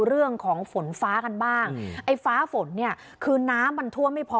เรื่องของฝนฟ้ากันบ้างไอ้ฟ้าฝนเนี่ยคือน้ำมันท่วมไม่พอ